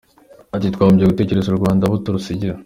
Ati “Twagombye gutekereza uru Rwanda abo tuzarusigira.